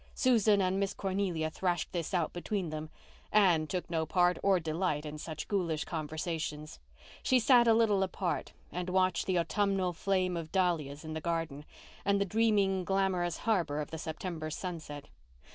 Susan and Miss Cornelia thrashed this out between them; Anne took no part or delight in such goulish conversations. She sat a little apart and watched the autumnal flame of dahlias in the garden, and the dreaming, glamorous harbour of the September sunset.